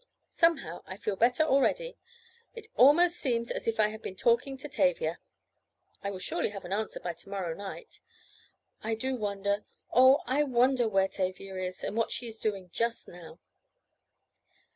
Somehow I feel better already. It almost seems as if I had been talking to Tavia. I will surely have an answer by to morrow night. I do wonder—Oh, I wonder where Tavia is—and what she is doing just now!"